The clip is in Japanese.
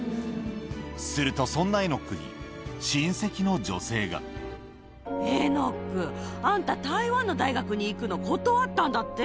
するとそんなエノックに、エノック、あんた、台湾の大学に行くの断ったんだって？